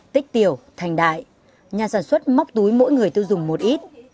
tích tiểu thành đại nhà sản xuất móc túi mỗi người tiêu dùng một ít